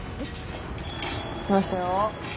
きましたよ。